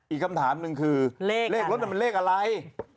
อีกคำถามหนึ่งคือเลขรถมันเลขอะไร